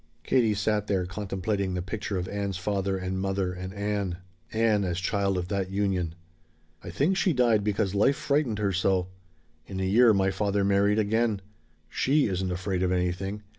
Katie sat there contemplating the picture of Ann's father and mother and Ann Ann, as child of that union. "I think she died because life frightened her so. In a year my father married again. She isn't afraid of anything.